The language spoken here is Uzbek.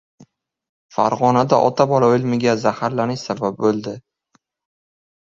Farg‘onada ota-bola o‘limiga zaharlanish sabab bo‘ldi